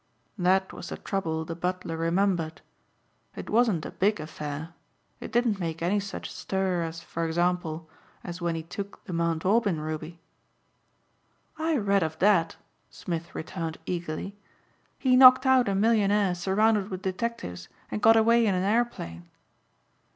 That was the trouble the butler remembered. It wasn't a big affair. It didn't make any such stir as for example as when he took the Mount Aubyn Ruby." "I read of that," Smith returned eagerly. "He knocked out a millionaire surrounded with detectives and got away in an airplane."